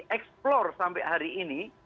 bisa dieksplor sampai hari ini